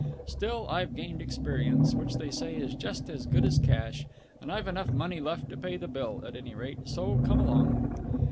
Still, I've gained experience, which they say is just as good as cash, and I've enough money left to pay the bill, at any rate, so come along."